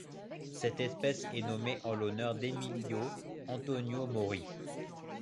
Cette espèce est nommée en l'honneur d'Emilio Antonio Maury.